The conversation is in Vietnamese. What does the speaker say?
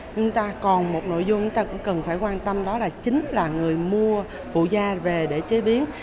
chúng ta còn một nội dung chúng ta cũng cần phải quan tâm đó là chính là người mua phụ da về để chế biến